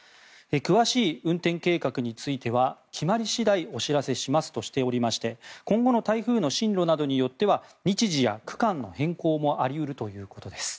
詳しい運転計画については決まり次第お知らせしますとしていまして今後の台風の進路などによっては日時や区間の変更もあり得るということです。